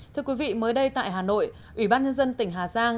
thưa quý vị mới đây tại hà nội ủy ban nhân dân tỉnh hà giang